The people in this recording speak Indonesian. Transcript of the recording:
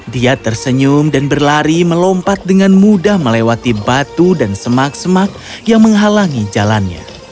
dia tersenyum dan berlari melompat dengan mudah melewati batu dan semak semak yang menghalangi jalannya